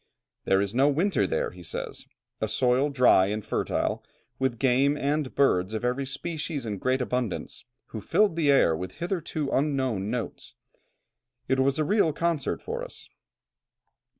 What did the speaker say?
"There is no winter there," he says; "a soil dry and fertile, with game, and birds of every species in great abundance, who filled the air with hitherto unknown notes; it was a real concert for us.